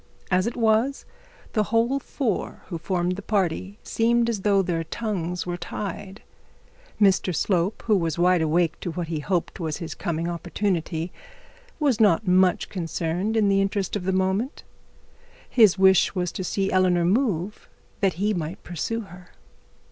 As it was, the whole four who formed the party seemed as though their tongues were tied. Mr Slope, who was wide awake to what he hoped was his coming opportunity, was not much concerned in the interest of the moment. His wish was to see Eleanor move, that he might pursue her.